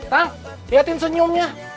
tang lihatin senyumnya